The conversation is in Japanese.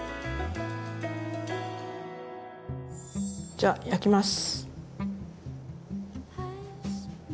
じゃあ焼きます。